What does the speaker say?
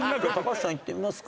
橋さんいってみますか？